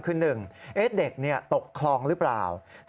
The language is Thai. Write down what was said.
คือ๑เด็กตกคลองหรือเปล่า